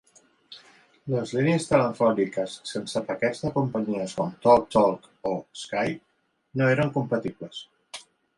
Les línies telefòniques sense paquets de companyies com TalkTalk o Sky no eren compatibles.